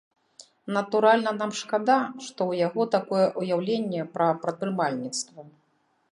Натуральна, нам шкада, што ў яго такое ўяўленне пра прадпрымальніцтва.